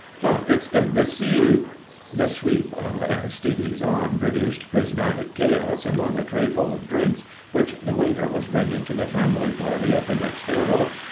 "But it's imbecile!" The sweep of Aristide's arm produced prismatic chaos among a tray full of drinks which the waiter was bringing to the family party at the next table.